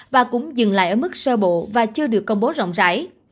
và cũng dừng lại ở mức sơ bộ và chưa được công bố rộng rãi